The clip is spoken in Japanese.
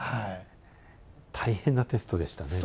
大変なテストでしたね。